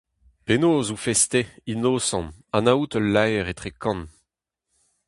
Penaos 'oufes-te, inosant, anaout ul laer etre kant ?